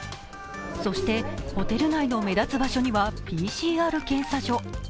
そして、ホテル前の目立つ場所にはＰＣＲ検査所。